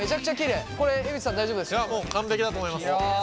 いやもう完璧だと思います。